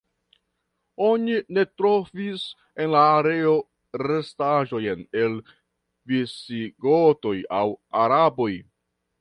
Oni ne trovis en la areo restaĵojn el visigotoj aŭ araboj.